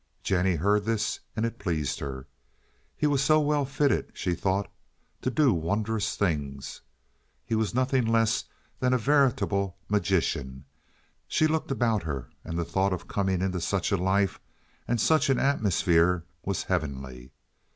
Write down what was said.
Jennie heard this, and it pleased her. He was so well fitted, she thought, to do wondrous things; he was nothing less than a veritable magician. She looked about her and the thought of coming into such a life and such an atmosphere was heavenly.